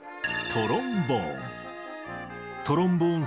トロンボーン。